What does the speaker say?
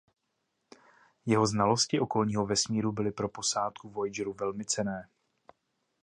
Jeho znalosti okolního vesmíru byli pro posádku "Voyageru" velmi cenné.